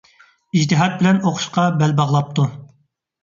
ئىجتىھات بىلەن ئوقۇشقا بەل باغلاپتۇ.